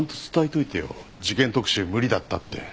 事件特集無理だったって。